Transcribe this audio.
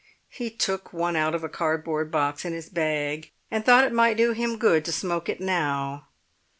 He took one out of a cardboard box in his bag, and thought it might do him good to smoke it now.